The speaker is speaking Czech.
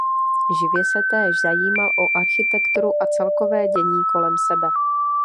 Živě se též zajímal o architekturu a celkové dění kolem sebe.